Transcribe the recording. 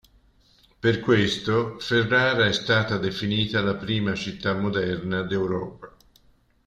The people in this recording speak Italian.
Per questo Ferrara è stata definita la prima città moderna d'Europa.